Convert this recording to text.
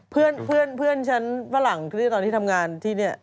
เพื่อนฉันฝรั่งที่ตอนที่ทำงานที่นี่